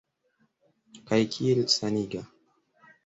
Kaj kiel saniga!